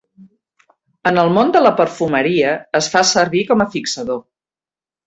En el món de la perfumeria es fa servir com a fixador.